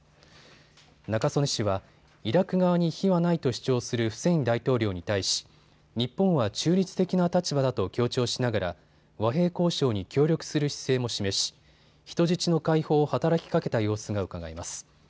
中曽根氏はイラク側に非はないと主張するフセイン大統領に対し日本は中立的な立場だと強調しながら和平交渉に協力する姿勢も示し人質の解放を働きかけた様子がうかがえます。